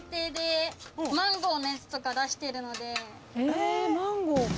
えマンゴー。